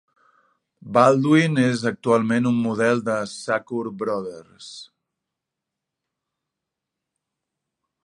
Baldwin és actualment un model de Sacoor Brothers.